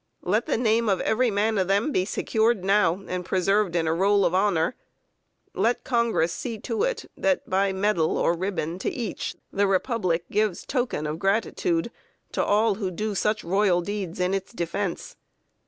Let the name of every man of them be secured now, and preserved in a roll of honor; let Congress see to it that, by medal or ribbon to each, the Republic gives token of gratitude to all who do such royal deeds in its defense.